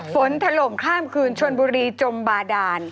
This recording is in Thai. ถล่มข้ามคืนชนบุรีจมบาดาน